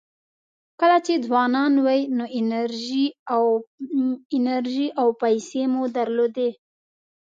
کله چې ځوانان وئ انرژي او پیسې مو درلودې.